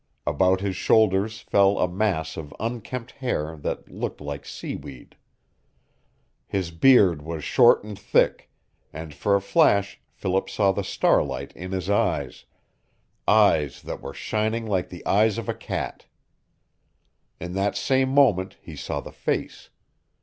About his shoulders fell a mass of unkempt hair that looked like seaweed. His beard was short and thick, and for a flash Philip saw the starlight in his eyes eyes that were shining like the eyes of a cat. In that same moment he saw the face.